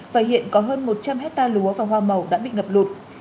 và hiện có hơn một trăm linh hectare lúa và hoa màu đã bị ngập lụt